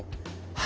はい。